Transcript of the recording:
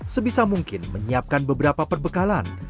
sebisa mungkin menyiapkan beberapa perbekalan